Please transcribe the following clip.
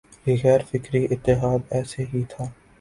یہ غیر فطری اتحاد ایسے ہی تھا